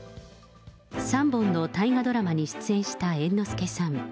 ３本の大河ドラマに出演した猿之助さん。